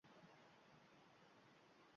Jerar Depardye:“Mening oʻzbekcha orzuim!”